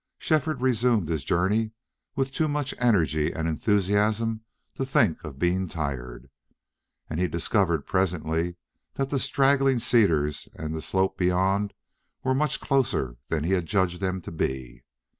Shefford resumed his journey with too much energy and enthusiasm to think of being tired. And he discovered presently that the straggling cedars and the slope beyond were much closer than he had judged them to be.